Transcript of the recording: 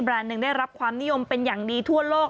หนึ่งได้รับความนิยมเป็นอย่างดีทั่วโลก